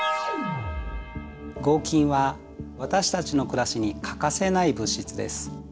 合金は私たちの暮らしに欠かせない物質です。